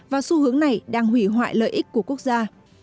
và xu hướng này đang hủy hoại lợi ích của quốc gia